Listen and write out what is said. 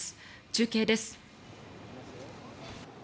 中継です。